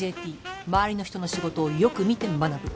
周りの人の仕事をよく見て学ぶ。